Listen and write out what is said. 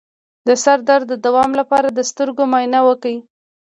د سر درد د دوام لپاره د سترګو معاینه وکړئ